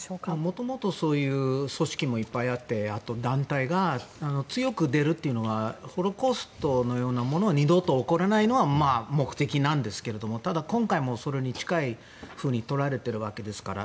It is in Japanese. もともとそういう組織もいっぱいあって団体が強く出るというのはホロコーストのようなものが二度と起こらないのが目的なんですけれどもただ今回もそれに近いふうに捉えられているわけですから。